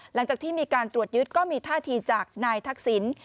หลังจากที่มีการตรวจยึดก็มีท่าทีจากนายทักษิณ